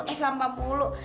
eh sampah mulu